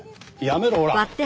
やめろおら！